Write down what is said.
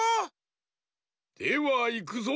ではいくぞ。